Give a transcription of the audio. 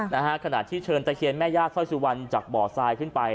นะฮะขณะที่เชิญตะเคียนแม่ย่าสร้อยสุวรรณจากบ่อทรายขึ้นไป